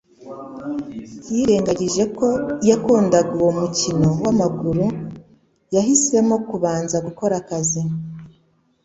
Yirengagije ko yakundaga uwo mukino wamaguru yahisemo kubanza akora akazi,